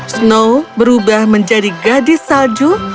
snow berubah menjadi gadis salju